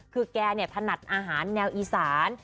คือแกถนัดอาหารแนวอีสาน